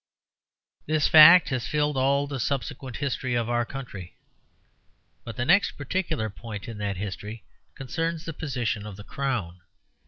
This fact has filled all the subsequent history of our country; but the next particular point in that history concerns the position of the Crown.